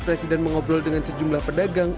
presiden mengobrol dengan sejumlah pedagang